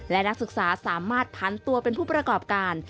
และนักศึกษาสามารถพันตัวเป็นผู้ประกอบการ